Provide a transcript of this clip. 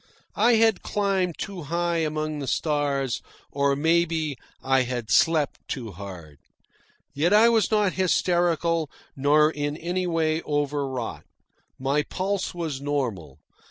I had climbed too high among the stars, or, maybe, I had slept too hard. Yet I was not hysterical nor in any way overwrought. My pulse was normal.